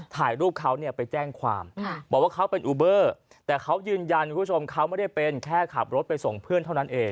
ถ่ายรูปเขาเนี่ยไปแจ้งความบอกว่าเขาเป็นอูเบอร์แต่เขายืนยันคุณผู้ชมเขาไม่ได้เป็นแค่ขับรถไปส่งเพื่อนเท่านั้นเอง